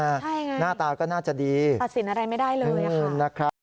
ใช่ไงประสิทธิ์อะไรไม่ได้เลยค่ะหน้าตาก็น่าจะดี